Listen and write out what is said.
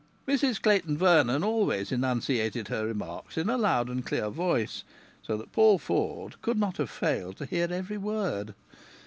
Mrs Clayton Vernon always enunciated her remarks in a loud and clear voice, so that Paul Ford could not have failed to hear every word.